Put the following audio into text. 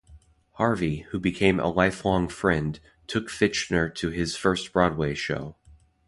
Harvey, who became a lifelong friend, took Fichtner to his first Broadway show.